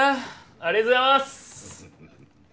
ありがとうございます！